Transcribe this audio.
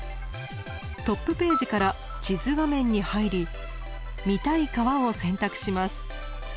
トップページから地図画面に入り見たい川を選択します。